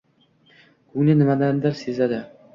Ko'ngli nimalarnidir sezadi.